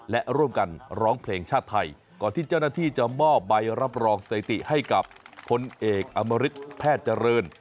และร่วมกันร้องเพลงชาติไทยก่อนที่เจ้าหน้าที่จะมอบใบรับรองสถิติให้กับพลเอกอมริตแพทย์เจริญ